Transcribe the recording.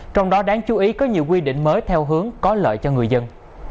trong đó đáng chú ý có nhiều quy định mới theo hướng có lợi cho người dân